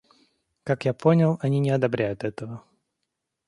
Как я понял, они не одобряют этого.